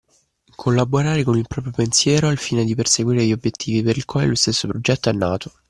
Collaborare con il proprio pensiero al fine di perseguire gli obbiettivi per il quale lo stesso progetto è nato.